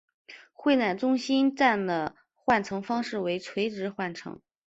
会展中心站的换乘方式为垂直换乘。